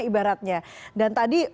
ibaratnya dan tadi